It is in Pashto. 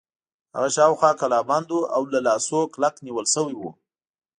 هغه شاوخوا کلابند و او له لاسونو کلک نیول شوی و.